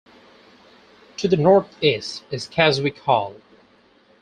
To the north-east is Casewick Hall.